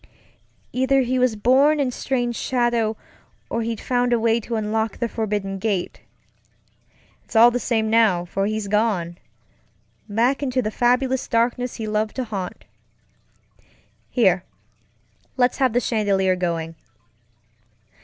Either he was born in strange shadow, or he'd found a way to unlock the forbidden gate. It's all the same now, for he's goneŌĆöback into the fabulous darkness he loved to haunt. Here, let's have the chandelier going.